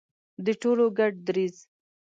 د ټولو ګډ دریځ.